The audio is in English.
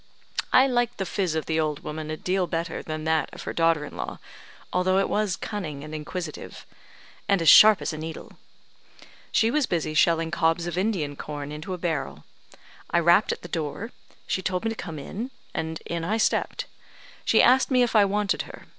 I liked the phiz of the old woman a deal better than that of her daughter in law, although it was cunning and inquisitive, and as sharp as a needle. She was busy shelling cobs of Indian corn into a barrel. I rapped at the door. She told me to come in, and in I stepped. She asked me if I wanted her.